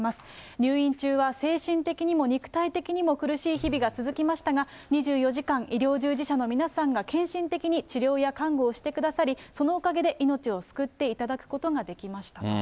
入院中は精神的にも肉体的にも苦しい日々が続きましたが、２４時間医療従事者の皆さんが献身的に治療や看護をしてくださり、そのおかげで命を救っていただくことができましたと。